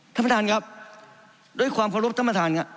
ธรรมฐานครับโดยความพบพระรบธรรมฐานค่ะ